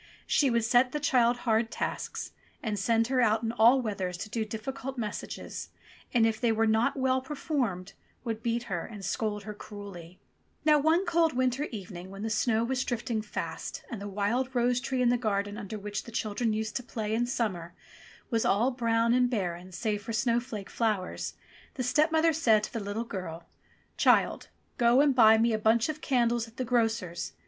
She would set the child hard tasks, and send her out in all weathers to do difficult messages, and if they were not well performed would beat her and scold her cruelly. 3S6 THE ROSE TREE 357 Now one cold winter evening when the snow was drifting fast, and the wild rose tree in the garden under which the children used to play in summer was all brown and barren save for snowflake flowers, the stepmother said to the little girl: "Child ! go and buy me a bunch of candles at the grocer's.